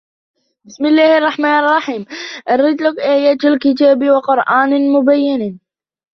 بِسْمِ اللَّهِ الرَّحْمَنِ الرَّحِيمِ الر تِلْكَ آيَاتُ الْكِتَابِ وَقُرْآنٍ مُبِينٍ